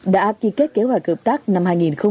đã ký kết kế hoạch hợp tác năm hai nghìn hai mươi